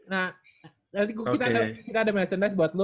nah nanti kita ada merchandise buat lo